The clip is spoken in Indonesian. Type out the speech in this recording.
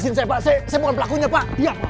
saya bukan pelakunya pak